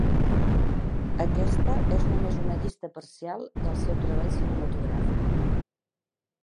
Aquesta és només una llista parcial del seu treball cinematogràfic.